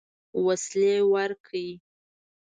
وسلې ورکړې.